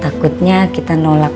takutnya kita nolak pesanan teteh